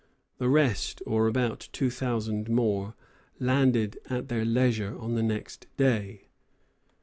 ] The rest, or about two thousand more, landed at their leisure on the next day.